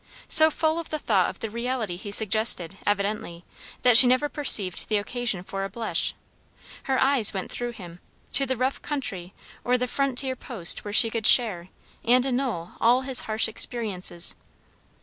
So full of the thought of the reality he suggested, evidently, that she never perceived the occasion for a blush. Her eyes went through him, to the rough country or the frontier post where she could share and annul all his harsh experiences.